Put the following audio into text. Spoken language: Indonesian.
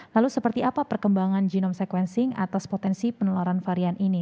lalu seperti apa perkembangan genome sequencing atas potensi penularan varian ini